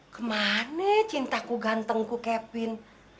kemana cintaku gantengku kaprin